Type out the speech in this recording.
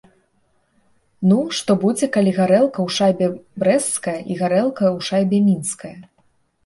Ну што будзе, калі гарэлка ў шайбе брэсцкая і гарэлка ў шайбе мінская?